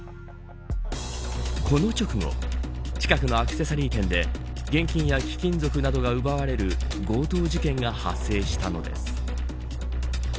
この直後近くのアクセサリー店で現金や貴金属などが奪われる強盗事件が発生したのです。